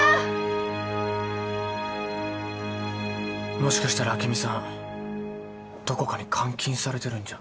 もしかしたら朱美さんどこかに監禁されてるんじゃ？